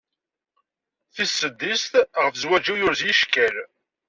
Tis seddiset "Ɣef zewağ-iw yurez-iyi cekkal".